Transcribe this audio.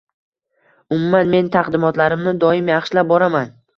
umuman, men taqdimotlarimni doim yaxshilab boraman.